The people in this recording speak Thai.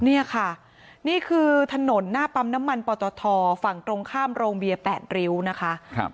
นี่ค่ะนี่คือถนนหน้าปั๊มน้ำมันปอตทฝั่งตรงข้ามโรงเบียร์๘ริ้วนะคะ